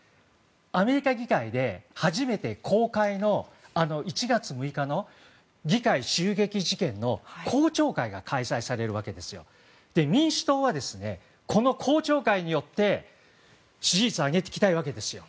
アメリカ議会で初めて公開での１月６日の議会襲撃事件の公聴会が開催されるわけですよ。民主党はこの公聴会によって支持率を上げたいわけです。